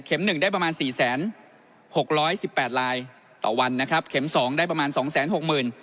หนึ่งได้ประมาณสี่แสนหกร้อยสิบแปดลายต่อวันนะครับเข็มสองได้ประมาณสองแสนหกหมื่น